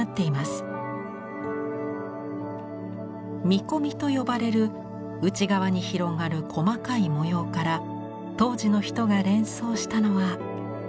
「見込み」と呼ばれる内側に広がる細かい模様から当時の人が連想したのは。